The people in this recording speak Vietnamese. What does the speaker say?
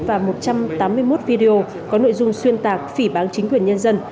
và một trăm tám mươi một video có nội dung xuyên tạc phỉ bán chính quyền nhân dân